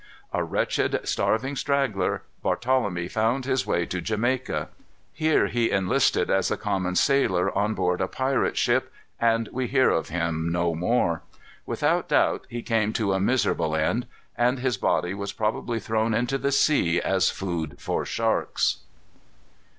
A wretched, starving straggler, Barthelemy found his way to Jamaica. Here he enlisted as a common sailor on board a pirate ship, and we hear of him no more. Without doubt, he came to a miserable end; and his body was probably thrown into the sea as food for sharks.